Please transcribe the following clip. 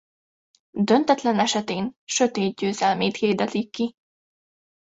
Döntetlen esetén sötét győzelmét hirdetik ki.